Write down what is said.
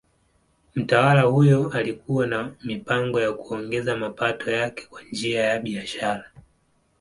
Mtawala huyo alikuwa na mipango ya kuongeza mapato yake kwa njia ya biashara.